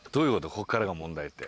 こっからが問題って。